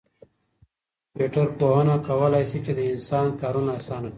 کمپيوټر پوهنه کولای شي چي د انسان کارونه اسانه کړي.